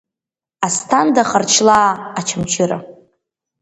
Асҭанда Харчлаа Очамчыра…